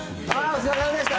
お疲れさまでした。